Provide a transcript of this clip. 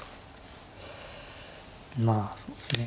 まあそうですね